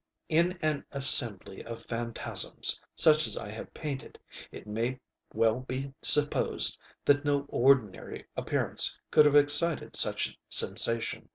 In an assembly of phantasms such as I have painted, it may well be supposed that no ordinary appearance could have excited such sensation.